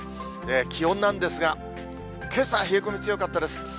気温なんですが、けさ冷え込み強かったです。